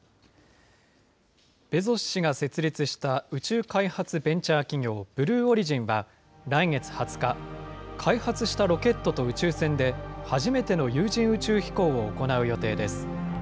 ベゾス氏が設立した宇宙開発ベンチャー企業、ブルーオリジンは、来月２０日、開発したロケットと宇宙船で、初めての有人宇宙飛行を行う予定です。